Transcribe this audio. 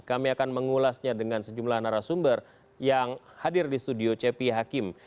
kami akan mengulasnya dengan sejumlah narasumber yang hadir di studio cepi hakim